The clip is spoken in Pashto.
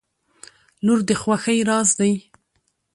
• لور د خوښۍ راز دی.